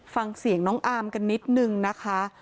ฟังเสียงน้องอาร์มกันนิดนึงนะคะ